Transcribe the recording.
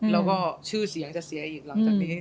แล้วก็ชื่อเสียงจะเสียอีกหลังจากนี้